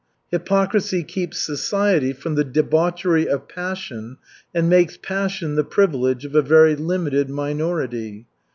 Hypocrisy keeps society from the debauchery of passion and makes passion the privilege of a very limited minority.